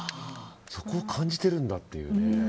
そこを感じてるんだっていう。